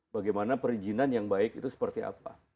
bagaimana perizinan yang baik itu seperti apa